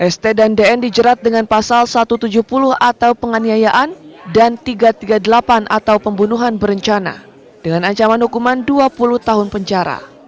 st dan dn dijerat dengan pasal satu ratus tujuh puluh atau penganiayaan dan tiga ratus tiga puluh delapan atau pembunuhan berencana dengan ancaman hukuman dua puluh tahun penjara